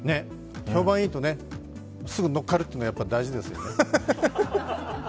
評判いいとすぐ乗っかるっていうのが大事ですよね。